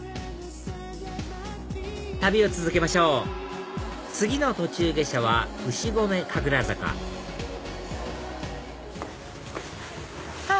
旅を続けましょう次の途中下車は牛込神楽坂はぁ！